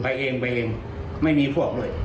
ไปเองไปเองไม่มีพวกด้วย